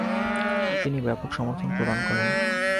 তিনি ব্যাপক সমর্থন প্রদান করেন।